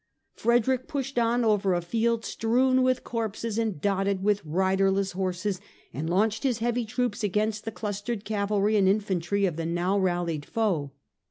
Frederick pushed on over a field strewn with corpses and dotted with riderless horses, and launched his heavy troops against the clustered cavalry and infantry of the now rallied foe.